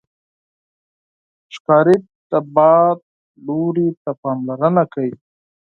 ښکاري د باد لوري ته پاملرنه کوي.